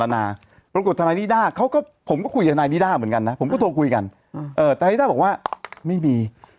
ปรากฏธนายนิด้าเขาก็ผมก็คุยกับนายนิด้าเหมือนกันนะผมก็โทรคุยกันทนายนิด้าบอกว่าไม่มี